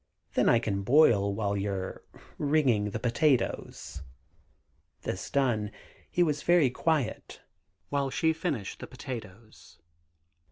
then I can boil while you're 'ringing' the potatoes." This done, he was very quiet, while she finished the potatoes.